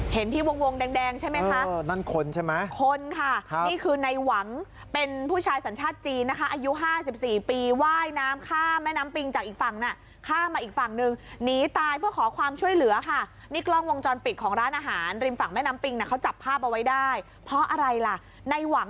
เห็นที่วงวงแดงแดงใช่ไหมคะนั่นคนใช่ไหมคนค่ะนี่คือในหวังเป็นผู้ชายสัญชาติจีนนะคะอายุ๕๔ปีว่ายน้ำข้ามแม่น้ำปิงจากอีกฝั่งน่ะข้ามมาอีกฝั่งหนึ่งหนีตายเพื่อขอความช่วยเหลือค่ะนี่กล้องวงจรปิดของร้านอาหารริมฝั่งแม่น้ำปิงน่ะเขาจับภาพเอาไว้ได้เพราะอะไรล่ะในหวัง